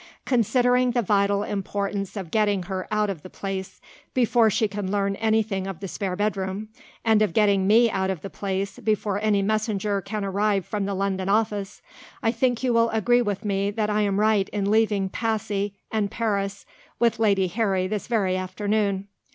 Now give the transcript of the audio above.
"Considering the vital importance of getting her out of the place before she can learn anything of the spare bedroom, and of getting me out of the place before any messenger can arrive from the London office, I think you will agree with me that I am right in leaving Passy and Paris with Lady Harry this very afternoon.